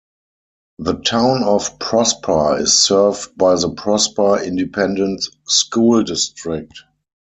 The Town of Prosper is served by the Prosper Independent School District.